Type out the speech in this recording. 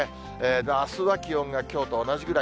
あすは気温がきょうと同じぐらい。